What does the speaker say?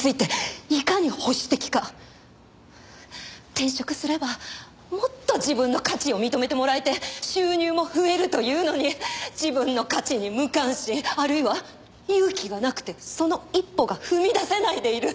転職すればもっと自分の価値を認めてもらえて収入も増えるというのに自分の価値に無関心あるいは勇気がなくてその一歩が踏み出せないでいる。